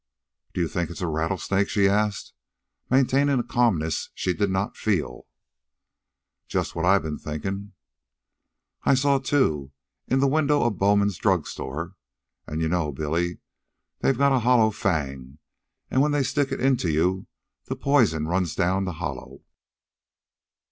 "Do you think it's a rattlesnake?" she asked, maintaining a calmness she did not feel. "Just what I've been thinkin'." "I saw two, in the window of Bowman's Drug Store. An' you know, Billy, they've got a hollow fang, and when they stick it into you the poison runs down the hollow."